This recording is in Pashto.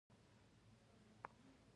زموږ کلی شنه باغونه او صافه هوا لري.